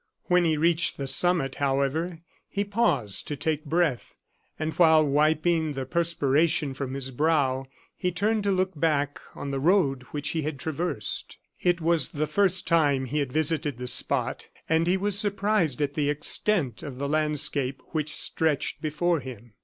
When he reached the summit, however, he paused to take breath; and while wiping the perspiration from his brow, he turned to look back on the road which he had traversed. It was the first time he had visited the spot, and he was surprised at the extent of the landscape which stretched before him.